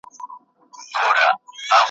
وئيل يې خو د ستورو دا ځنګل پري نه خبريږي !.